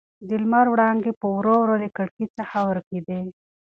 د لمر وړانګې په ورو ورو له کړکۍ څخه ورکېدې.